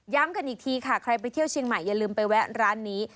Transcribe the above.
กันอีกทีค่ะใครไปเที่ยวเชียงใหม่อย่าลืมไปแวะร้านนี้